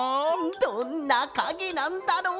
どんなかげなんだろう？